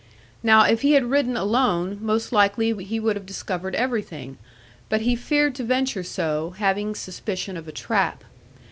Now if he had ridden alone, most likely he would have discovered everything; but he feared to venture so, having suspicion of a trap.